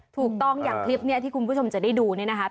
ถูกต้องอย่างคลิปนี้ที่คุณผู้ชมจะได้ดูเนี่ยนะคะ